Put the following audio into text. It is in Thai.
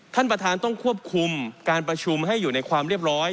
ท่านประธานต้องควบคุมการประชุมให้อยู่ในความเรียบร้อย